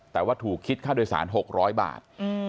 แต่ว่าถูกคิดค่าโดยสาร๖๐๐บาท